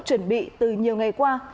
chuẩn bị từ nhiều ngày qua